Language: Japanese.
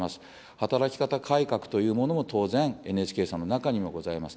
働き方改革というものも当然、ＮＨＫさんの中にはございます。